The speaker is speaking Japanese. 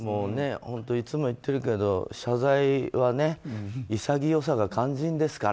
本当、いつも言ってるけど謝罪はね潔さが肝心ですから。